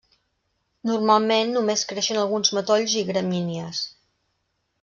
Normalment només creixen alguns matolls i gramínies.